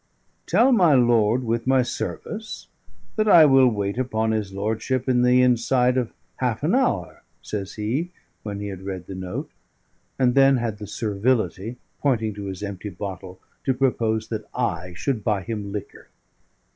"Tell my lord, with my service, that I will wait upon his lordship in the inside of half an hour," says he when he had read the note; and then had the servility, pointing to his empty bottle, to propose that I should buy him liquor.